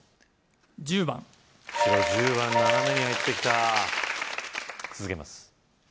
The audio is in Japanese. １０番白１０番斜めに入ってきた続けます